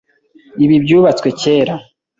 Ibi byubatswe kera .